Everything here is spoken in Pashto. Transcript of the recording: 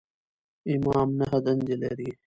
امام نهه دندې لري.